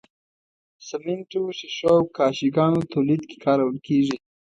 سمنټو، ښيښو او کاشي ګانو تولید کې کارول کیږي.